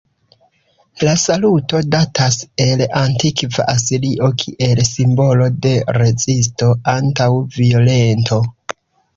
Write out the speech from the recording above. La saluto datas el antikva Asirio kiel simbolo de rezisto antaŭ violento.